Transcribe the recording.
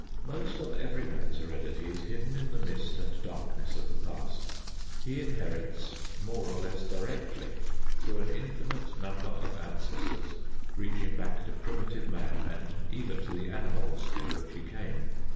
Most of every man's heredity is hidden in the mist and darkness of the past. He inherits more or less directly through an infinite number of ancestors, reaching back to primitive man and even to the animals from which he came.